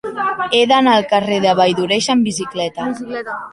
He d'anar al carrer de Valldoreix amb bicicleta.